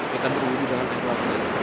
kita berwudhu dengan ikhlas